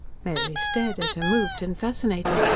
Mary stared at her, moved and fascinated.